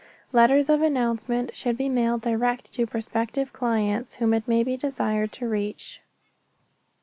Letters of announcement should be mailed direct to prospective clients whom it may be desired to reach.